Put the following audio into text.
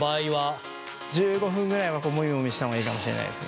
１５分ぐらいはもみもみした方がいいかもしれないですね。